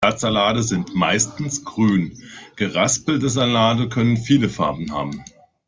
Blattsalate sind meistens grün, geraspelte Salate können viele Farben haben.